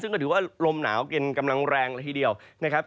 ซึ่งก็ถือว่าลมหนาวเย็นกำลังแรงละทีเดียวนะครับ